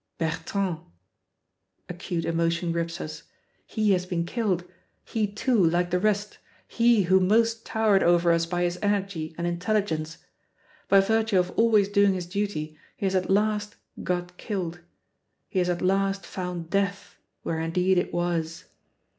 Bertrand! Acute emotion grips us. He has been killed; he, too, like the rest, he who most towered over us by his energy and intelligence. By virtue of always doing his duty, he has at last got killed. He has at last found death where indeed it was.